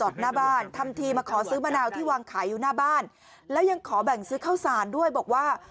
ดังนึงขอแบ่งซื้อข้าวศาลด้วยบอกว่า